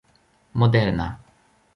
moderna